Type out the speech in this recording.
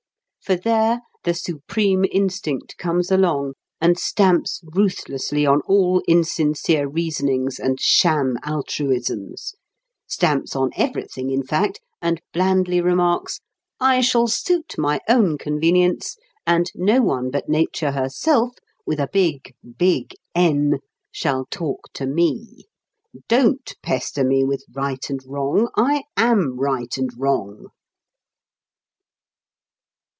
For there the supreme instinct comes along and stamps ruthlessly on all insincere reasonings and sham altruisms; stamps on everything, in fact, and blandly remarks: "I shall suit my own convenience, and no one but Nature herself (with a big, big N) shall talk to me. Don't pester me with Right and Wrong. I am Right and Wrong...."